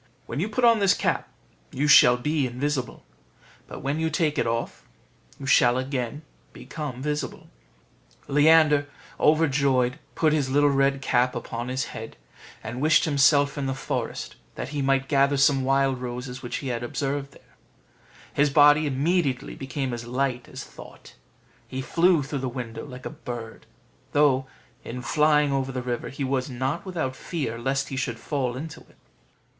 "When you put on this cap, you shall be invisible; but when you take it off, you shall again become visible." Leander, overjoyed, put his little red cap upon his head, and wished himself in the forest, that he might gather some wild roses which he had observed there: his body immediately became as light as thought; he flew through the window like a bird; though, in flying over the river, he was not without fear, lest he should fall into it, and the power of the fairy not be able to save him.